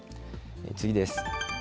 次です。